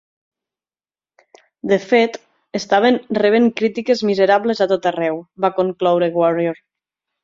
De fet, estaven "rebent crítiques miserables a tot arreu", va concloure Warrior.